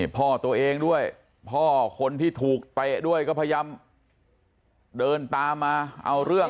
พ่อตัวเองด้วยพ่อคนที่ถูกเตะด้วยก็พยายามเดินตามมาเอาเรื่อง